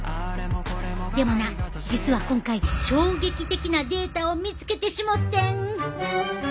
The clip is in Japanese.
でもな実は今回衝撃的なデータを見つけてしもてん。